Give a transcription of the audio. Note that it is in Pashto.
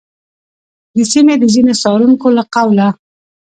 د سیمې د ځینو څارونکو له قوله،